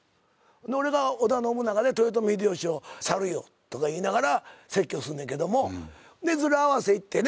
俺が織田信長で豊臣秀吉を「サルよ」とか言いながら説教すんねんけども。でづら合わせ行ってね